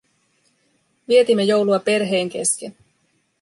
Vietimme joulua perheen kesken